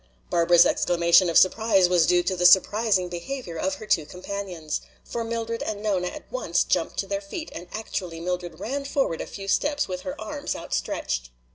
Barbara's exclamation of surprise was due to the surprising behavior of her two companions. For Mildred and Nona at once jumped to their feet, and actually Mildred ran forward a few steps with her arms outstretched.